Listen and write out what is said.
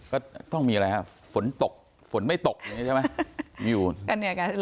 ก็ต้องมีอะไรฮะฝนตกฝนไม่ตกอย่างนี้ใช่ไหม